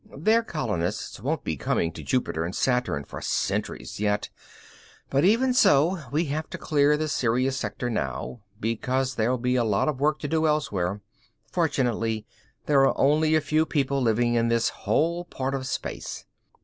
Their colonists won't be coming to Jupiter and Saturn for centuries yet; but even so, we have to clear the Sirius Sector now, because there'll be a lot of work to do elsewhere. Fortunately, there are only a few people living in this whole part of space.